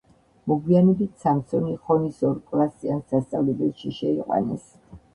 მოგვიანებით სამსონი ხონის ორკლასიან სასწავლებელში შეიყვანეს.